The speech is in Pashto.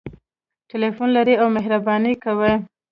ټلیفون لري او بهانې کوي